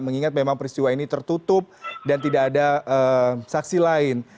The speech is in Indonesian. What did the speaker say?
mengingat memang peristiwa ini tertutup dan tidak ada saksi lain